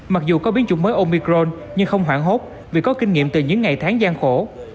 mặc dù có biến chủng mới omicron nhưng không hoảng hốt vì có kinh nghiệm từ những ngày tháng gian khổ